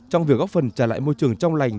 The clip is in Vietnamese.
trong việc góp phần trả lại môi trường trong lành